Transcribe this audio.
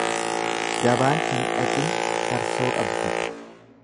Gabaan hin dhaqin farsoo qabdi.